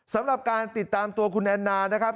สำหรับการติดตามตัวคุณแอนนานะครับ